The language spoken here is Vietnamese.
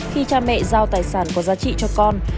khi cha mẹ giao tài sản có giá trị cho con